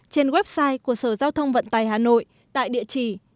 trên website của sở giao thông vận tài hà nội tại địa chỉ